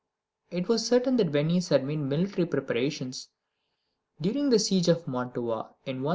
It was certain that Venice had made military preparations during the siege of Mantua in 1796.